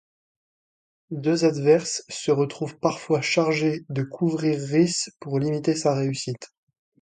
Deux ' adverses se retrouvent parfois chargés de couvrir Rice pour limiter sa réussite.